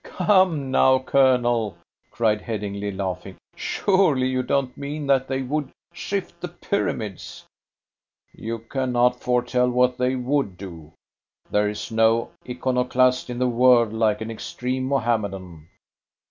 "Come now, Colonel," cried Headingly, laughing, "surely you don't mean that they would shift the pyramids?" "You cannot foretell what they would do. There is no iconoclast in the world like an extreme Mohammedan.